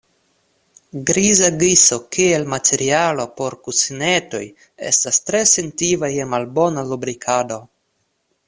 Griza giso kiel materialo por kusinetoj estas tre sentiva je malbona lubrikado.